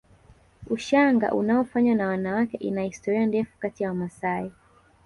Ushanga unaofanywa na wanawake ina historia ndefu kati ya Wamasai